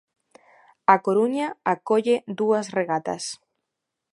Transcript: A Coruña acolle dúas regatas.